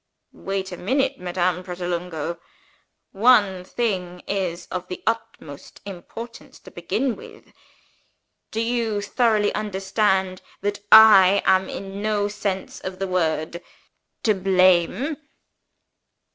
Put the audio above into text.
"Wait a minute, Madame Pratolungo! One thing is of the utmost importance to begin with. Do you thoroughly understand that I am, in no sense of the word, to blame